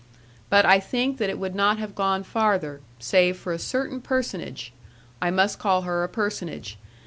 But I think that it would not have gone farther, save for a certain personage I must call her a personage.